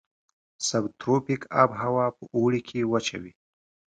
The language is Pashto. سب تروپیک آب هوا په اوړي کې وچه وي.